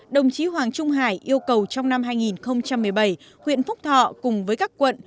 đồng chí hoàng trung hải yêu cầu trong năm hai nghìn một mươi bảy huyện phúc thọ cùng với các quận